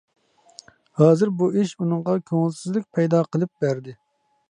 ھازىر بۇ ئىش ئۇنىڭغا كۆڭۈلسىزلىك پەيدا قىلىپ بەردى.